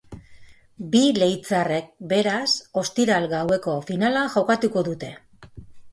Bi leitzarrek beraz ostiral gaueko finala jokatuko dute.